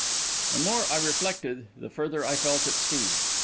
The more I reflected, the further I felt at sea.